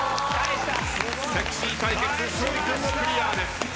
セクシー対決勝利君もクリアです。